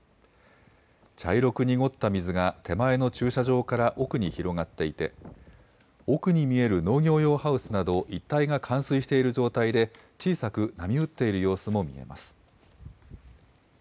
茶色く濁った水が手前の駐車場から奥に広がっていて、奥に見える農業用ハウスなど一帯が冠水している状態で、小さく波打っている様子も見えます。